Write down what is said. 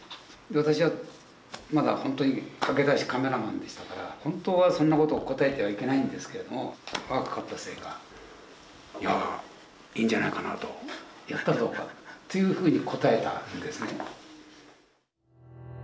私はまだほんとに駆け出しカメラマンでしたから本当はそんなことを答えてはいけないんですけれども若かったせいか「いやいいんじゃないかな」と「やったらどうか」っていうふうに答えたんですね。